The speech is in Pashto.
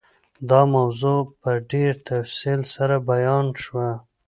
دا موضوع په ډېر تفصیل سره بیان شوه.